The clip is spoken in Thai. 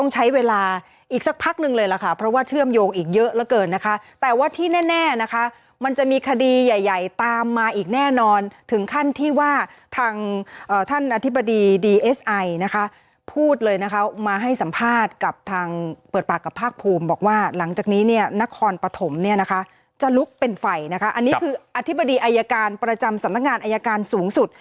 จะลุกเป็นไฟนะคะอันนี้คืออธิบดีอายการประจำสนักงานอายการสูงสุด